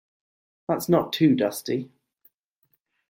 That's not too dusty.